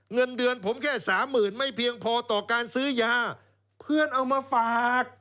เงินเดือนผมแค่สามหมื่นไม่เพียงพอต่อการซื้อยาเพื่อนเอามาฝาก